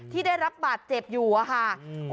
ที่ได้รับบาดเจ็บอยู่อะค่ะ